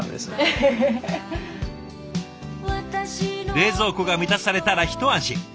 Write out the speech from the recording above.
冷蔵庫が満たされたら一安心。